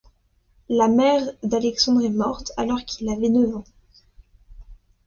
La mère d'Alexandre est morte alors qu'il avait neuf ans.